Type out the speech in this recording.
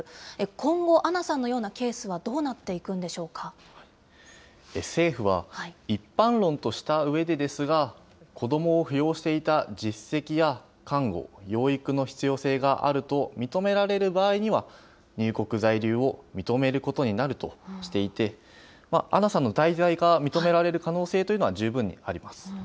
今後、アナさんのようなケースは政府は、一般論としたうえですが、子どもを扶養していた実績や監護・養育の必要性があると認められる場合には、入国・在留を認めることになるとしていて、アナさんの滞在が認められる可能性というのは十分にあります。